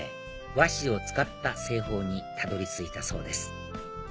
和紙を使った製法にたどり着いたそうです